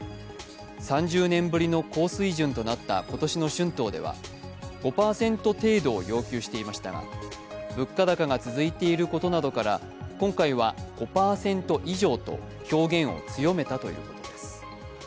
３０年ぶりの高水準となった今年の春闘では５％程度を要求していましたが物価高が続いていることなどから今回は５％以上と表現を強めたということです。